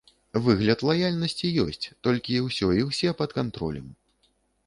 Выгляд лаяльнасці ёсць, толькі ўсё і ўсе пад кантролем.